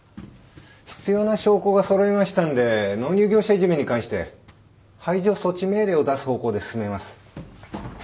必要な証拠が揃いましたんで納入業者いじめに関して排除措置命令を出す方向で進めます。